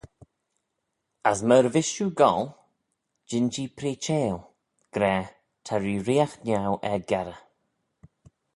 As myr vees shiu goll, jean-jee preaçheil, gra, ta reeriaght niau er-gerrey.